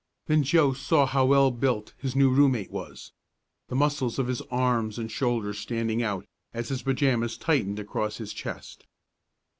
Then Joe saw how well built his new room mate was the muscles of his arms and shoulders standing out, as his pajamas tightened across his chest.